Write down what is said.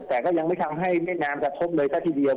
แต่ก็ยังไม่ทำให้เวียดนามจะทบเลยสักทีเดียว